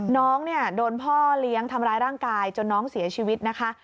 น้องเนี่ยโดนพ่อเลี้ยงทำร้ายร่างกายจนน้องเสียชีวิตนะคะ